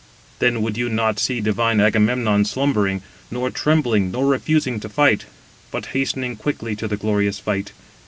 Then would you not see divine Agamemnon slumbering, nor trembling nor refusing to fight; but hastening quickly to the glorious fight.